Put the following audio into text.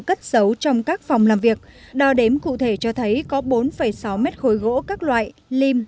cất xấu trong các phòng làm việc đo đếm cụ thể cho thấy có bốn sáu mét khối gỗ các loại lim